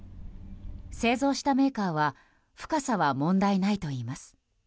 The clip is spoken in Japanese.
製造したメーカーは深さは問題ないといいます。